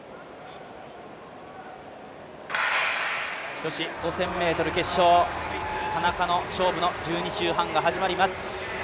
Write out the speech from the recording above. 女子５０００ｍ決勝田中の勝負の１２周半が始まります。